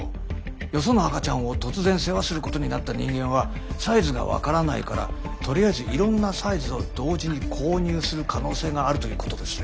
よその赤ちゃんを突然世話することになった人間はサイズが分からないからとりあえずいろんなサイズを同時に購入する可能性があるということですね。